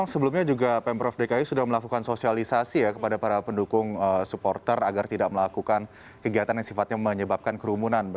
sebelumnya juga pemprov dki sudah melakukan sosialisasi ya kepada para pendukung supporter agar tidak melakukan kegiatan yang sifatnya menyebabkan kerumunan